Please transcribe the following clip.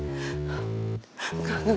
gak gak gak